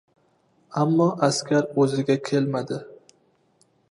Ammo askar o‘ziga kelmadi.